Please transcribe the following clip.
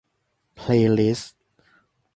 เพลย์ลิสต์